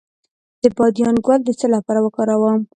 د بادیان ګل د څه لپاره وکاروم؟